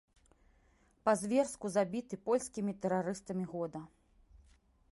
Па-зверску забіты польскімі тэрарыстамі года.